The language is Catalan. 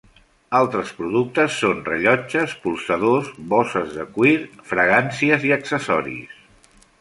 Altres productes són rellotges, polsadors, bosses de cuir, fragàncies i accessoris.